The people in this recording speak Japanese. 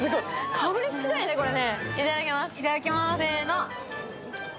かぶりつきたいね、これ。